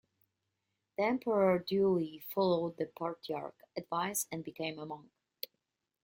The emperor duly followed the patriarch's advice and became a monk.